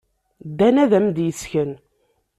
Dan ad am-d-yessken.